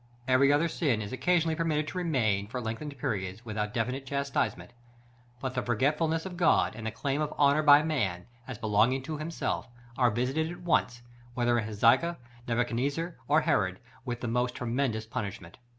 Every other sin is occasionally permitted to remain, for lengthened periods, without definite chastisement; but the forgetfulness of God, and the claim of honor by man, as belonging to himself, are visited at once, whether in Hezekiah, Nebuchadnezzar, or Herod, with the most tremendous punishment.